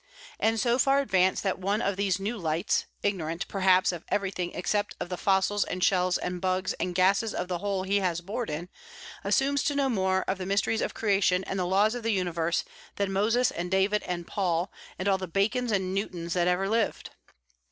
and so far advanced that one of these new lights, ignorant, perhaps, of everything except of the fossils and shells and bugs and gases of the hole he has bored in, assumes to know more of the mysteries of creation and the laws of the universe than Moses and David and Paul, and all the Bacons and Newtons that ever lived?